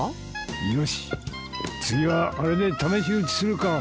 よし次はあれで試し撃ちするか。